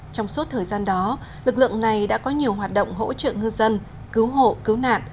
trong suốt thời gian đó lực lượng này đã có nhiều hoạt động hỗ trợ ngư dân cứu hộ cứu nạn